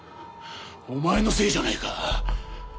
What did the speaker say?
お前のせいじゃないか！